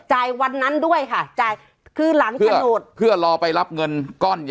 วันนั้นด้วยค่ะจ่ายคือหลังโฉนดเพื่อรอไปรับเงินก้อนใหญ่